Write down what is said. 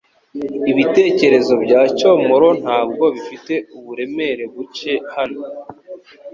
Ibitekerezo bya Cyomoro ntabwo bifite uburemere buke hano